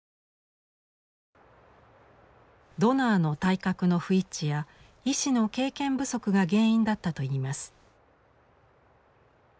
ドナーの体格の不一致や医師の経験不足が原因だったといいます。